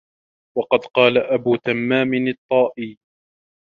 وَقَدْ قَالَ أَبُو تَمَّامٍ الطَّائِيُّ